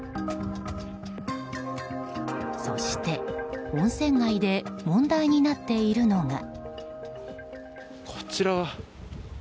そして温泉街で問題になっているのが。